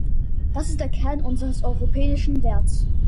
Das ist der Kern unseres europäischen Werts.